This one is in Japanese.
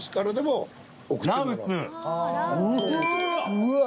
うわ！